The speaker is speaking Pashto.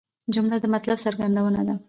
جمله د مطلب څرګندونه ده.